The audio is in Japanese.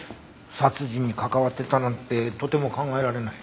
殺人に関わってたなんてとても考えられない。